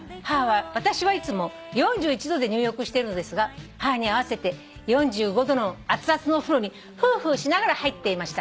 「私はいつも４１℃で入浴しているのですが母に合わせて４５℃の熱々のお風呂にふうふうしながら入っていました」